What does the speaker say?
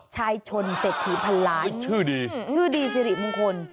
ชนเศรษฐีพันล้านชื่อดีชื่อดีสิริมงคล